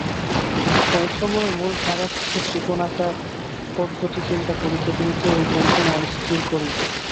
ঐ সময়ে মূলাধারস্থ ত্রিকোণাকার পদ্মটি চিন্তা করিতে করিতে ঐ কেন্দ্রে মন স্থির করিবে।